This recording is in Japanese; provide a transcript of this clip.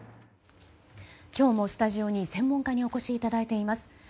今日もスタジオに専門家にお越しいただいています。